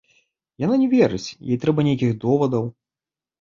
Яна не верыць, ёй трэба нейкіх довадаў!